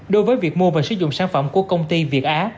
đối với việc mua và sử dụng sản phẩm của công ty việt á